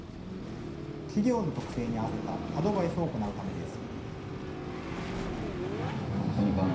企業の特性に合わせたアドバイスを行うためです。